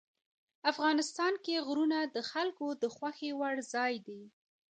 افغانستان کې غرونه د خلکو د خوښې وړ ځای دی.